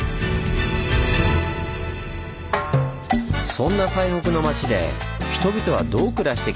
そんな「最北の町」で人々はどう暮らしてきたのか？